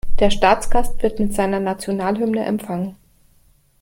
Der Staatsgast wird mit seiner Nationalhymne empfangen.